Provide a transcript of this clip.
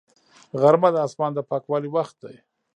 غرمه د اسمان د پاکوالي وخت دی